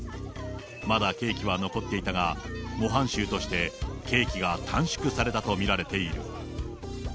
また刑期は残っていたが、模範囚として刑期が短縮されたと見られている。